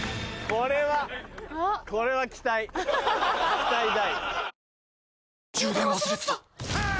これは期待期待大。